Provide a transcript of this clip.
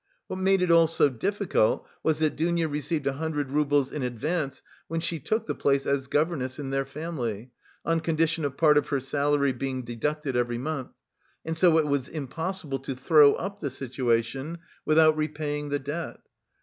What made it all so difficult was that Dounia received a hundred roubles in advance when she took the place as governess in their family, on condition of part of her salary being deducted every month, and so it was impossible to throw up the situation without repaying the debt.